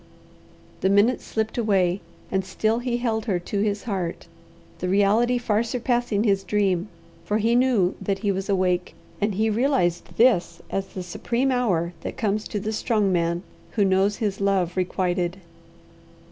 The minutes slipped away, and still he held her to his heart, the reality far surpassing his dream; for he knew that he was awake, and he realized this as the supreme hour that comes to the strongman who knows his love requited.